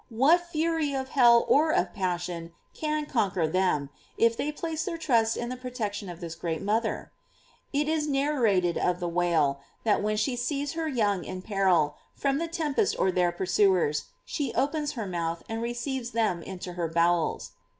What fury of hell or of passion can. conquer them, if they place their trust in the protection of this great mother?§ It is narrat ed of the whale, that when she sees her young in peril, from the tempest or their pursuers, she opens her mouth and receives them into her bowels.